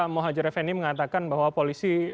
mohajer fendi mengatakan bahwa polisi